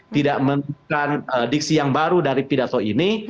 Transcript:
tidak menunjukkan dixie yang baru dari pidato ini